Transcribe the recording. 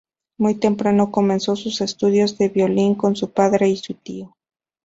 Muy temprano comenzó sus estudios de violín con su padre y su tío.